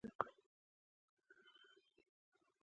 دوی غوښتل په حجاز کې له ترکي مقاماتو سره خبرې وکړي.